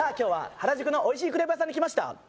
「原宿のおいしいクレープ屋さんに来ました」